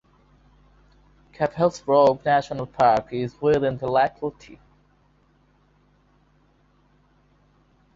Cape Hillsborough National Park is within the locality.